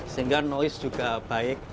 sehingga noise juga baik